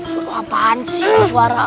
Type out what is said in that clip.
suara apaan sih